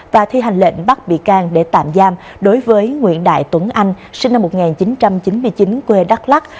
và thi hành lệnh bắt bị can để tạm giam đối với nguyễn đại tuấn anh sinh năm một nghìn chín trăm chín mươi chín quê đắk lắc